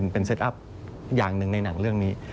เป็นเซตอัพอย่างหนึ่งในหนังเรื่องนี้